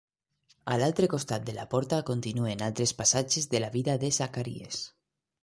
A l'altre costat de la porta continuen altres passatges de la vida de Zacaries.